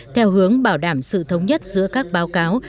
theo hướng bảo đảm sự thống nhất giữa các báo cáo